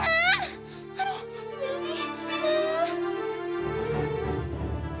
aduh udah nih